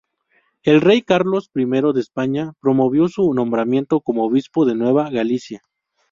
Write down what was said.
El rey Carlos I de España promovió su nombramiento como obispo de Nueva Galicia.